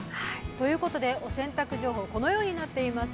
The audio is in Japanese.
ということでお洗濯情報、このようになっています。